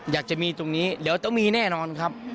อยากจะมีตรงนี้เดี๋ยวต้องมีแน่นอนครับ